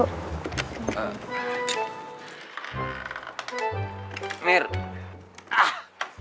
gue ngomong sama tembok aja deh